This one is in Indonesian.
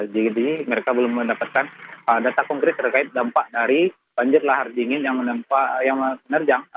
jadi mereka belum mendapatkan data kongres terkait dampak dari banjir lahar dingin yang menerjang